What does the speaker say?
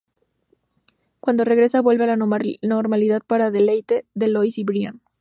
Cuando regresa, vuelve a la normalidad para deleite de Lois y Brian.